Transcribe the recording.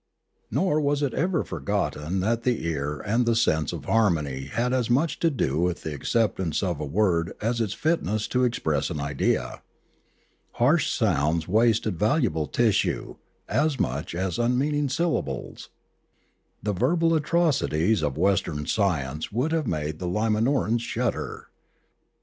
Nor was it ever forgotten that the ear and the sense of harmony had as much to do with the acceptance of a word as its fitness to express an idea. Harsh sounds wasted valuable tissue as much as unmeaning syllables. The verbal atrocities of Western science would have made the Limanorans shudder.